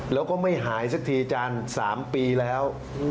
แล้วก็ไม่หายสักทีอาจารย์๓ปีแล้ว